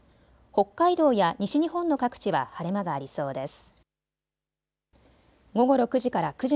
北海道や西日本の各地は晴れ間がありそうです。